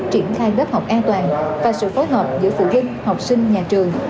triển khai lớp học an toàn và sự phối hợp giữa phụ huynh học sinh nhà trường